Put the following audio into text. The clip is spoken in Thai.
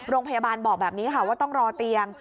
โรงพยาบาลบอกแบบนี้ค่ะว่าต้องรอเตียง